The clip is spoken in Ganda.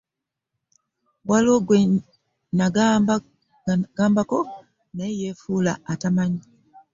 Waliwo gwe nagambako naye yeefuula atamanyi.